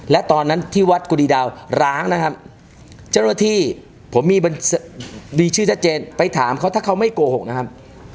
และตอนนั้นที่วัดกุฎีดาวร้างนะครับเจ้าหน้าที่ผมมีชื่อชัดเจนไปถามเขาถ้าเขาไม่โกหกนะครับ